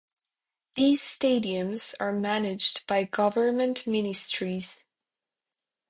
These stadiums are managed by government ministries.